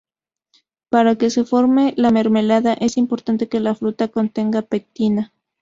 Para que se forme la mermelada es importante que la fruta contenga pectina.